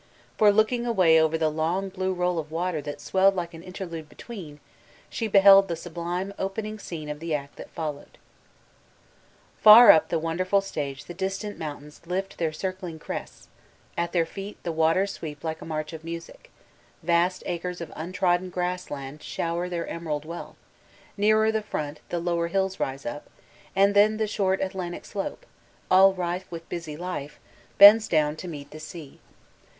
For looking away over the long blue roll of water that swelled like an interlude between, she beheld the sob* lime opening scene of the act that followed. Far up the wonderful stage the distant mountains Bfl their circling crests, at their feet the waters sweep like a march of music, vast acres of untrodden grass land shower their emerald wealth, nearer the front the lower hills rise up, and then the short Atlantic slope, all rife with busy life, bends down to meet the sea.